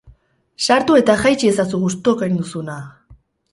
Sartu eta jaitsi ezazu gustukoen duzuna!